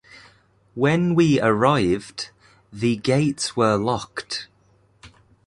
When we arrived, the gates were locked.